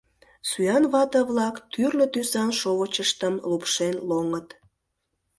Сӱан вате-влак тӱрлӧ тӱсан шовычыштым лупшен лоҥыт.